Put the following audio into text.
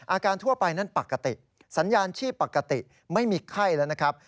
ทั่วไปนั้นปกติสัญญาณชีพปกติไม่มีไข้แล้วนะครับ